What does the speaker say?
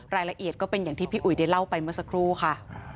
รายละเอียดก็เป็นอย่างที่พี่อุ๋ยได้เล่าไปเมื่อสักครู่ค่ะ